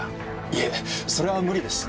いえそれは無理です。